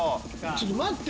ちょっと待って。